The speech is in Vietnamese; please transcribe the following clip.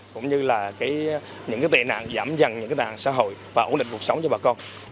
cũng như tệ nạn giảm dần những tạng xã hội và ổn định cuộc sống cho bà con